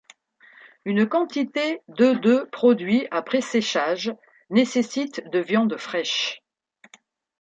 Une quantité de de produit après séchage nécessite de viande fraîche.